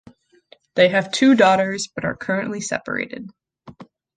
They have two daughters but are currently separated.